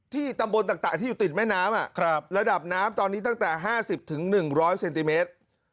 ที่ตำบลต่างต่างที่อยู่ติดแม่น้ำอ่ะครับระดับน้ำตอนนี้ตั้งแต่ห้าสิบถึงหนึ่งร้อยเซนติเมตร